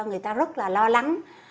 người ta rất là lo lắng